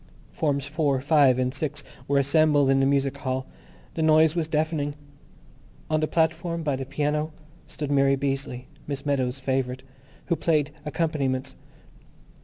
Forms Four, Five, and Six were assembled in the music hall. The noise was deafening. On the platform, by the piano, stood Mary Beazley, Miss Meadows' favourite, who played accompaniments.